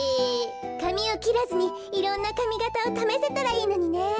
かみをきらずにいろんなかみがたをためせたらいいのにね。